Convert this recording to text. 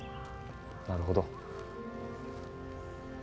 なるほど。